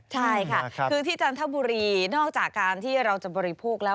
ใช่ค่ะคือที่จันทบุรีนอกจากการที่เราจะบริโภคแล้ว